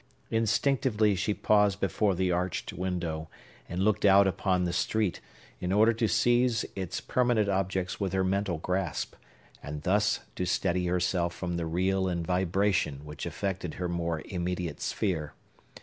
Instinctively she paused before the arched window, and looked out upon the street, in order to seize its permanent objects with her mental grasp, and thus to steady herself from the reel and vibration which affected her more immediate sphere.